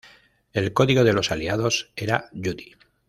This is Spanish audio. El código de los aliados era "Judy".